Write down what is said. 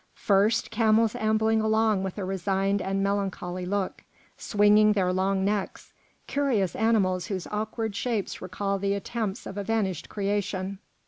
First, camels ambling along with a resigned and melancholy look, swinging their long necks, curious animals whose awkward shapes recall the attempts of a vanished creation.